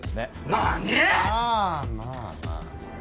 まあまあまあ。